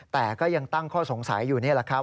แต่ก็ยังตั้งข้อสงสัยอยู่นี่แหละครับ